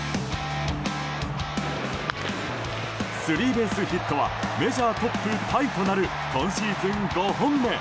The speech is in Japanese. スリーベースヒットはメジャートップタイとなる今シーズン５本目。